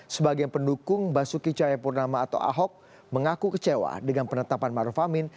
sebagai pendukung basuki cahaya purnama atau ahok mengaku kecewa dengan penetapan ma'ruf amin